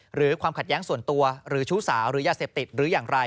หรือความขัดแย้งส่วนตัวหรือชู้สาวหรือยาเสพติดหรืออย่างไร